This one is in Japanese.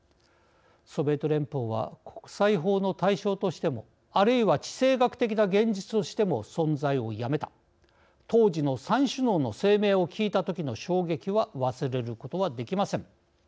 「ソビエト連邦は国際法の対象としても、あるいは地政学的な現実としても存在をやめた」当時の３首脳の声明を聞いたときの衝撃は忘れることはできません。